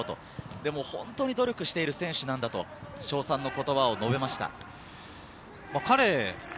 でも本当に努力している選手なんだと称賛の言葉を述べました。